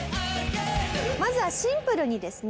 まずはシンプルにですね